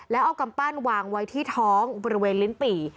แล้วเอากำปั้นวางไว้ที่ท้องบริเวณลิ้นปี่